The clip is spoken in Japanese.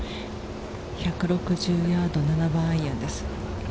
１６０ヤード７番アイアンです。